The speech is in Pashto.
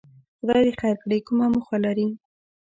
خدای دې خیر کړي، کومه موخه لري؟